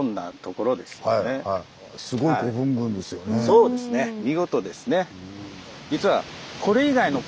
そうですね見事ですね。